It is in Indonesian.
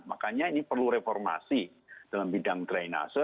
makanya ini perlu reformasi dalam bidang drainase